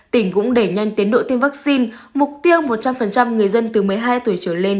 tỉnh cũng đẩy nhanh tiến độ tiêm vaccine mục tiêu một trăm linh người dân từ một mươi hai tuổi trở lên